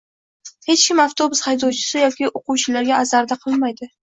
Hech kim avtobus haydovchisi yoki oʻquvchilarga zarda qilmaydi.